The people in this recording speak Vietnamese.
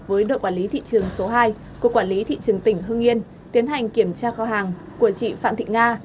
với đội quản lý thị trường số hai của quản lý thị trường tỉnh hưng yên tiến hành kiểm tra kho hàng của chị phạm thị nga